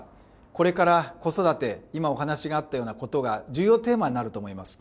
これから子育て、今、お話があったようなことが、重要テーマになると思います。